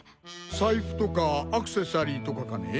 財布とかアクセサリーとかかね？